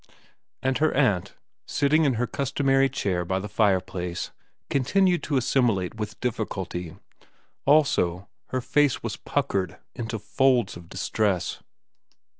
' And her aunt, sitting in her customary chair by the fireplace, continued to assimilate with difficulty. Also her face was puckered into folds of distress.